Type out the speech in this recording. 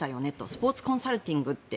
スポーツコンサルティングって。